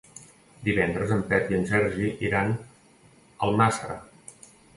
Divendres en Pep i en Sergi iran a Almàssera.